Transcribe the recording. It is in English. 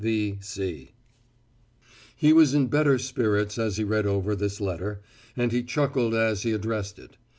V. C. He was in better spirits as he read over this letter, and he chuckled as he addressed it.